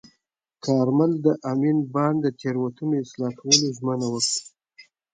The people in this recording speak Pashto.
کارمل د امین بانډ د تېروتنو اصلاح کولو ژمنه وکړه.